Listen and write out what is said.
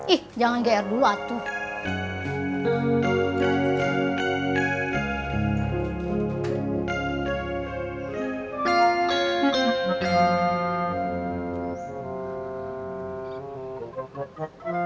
ih jangan geer dulu atuh